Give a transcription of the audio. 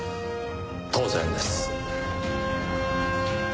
当然です。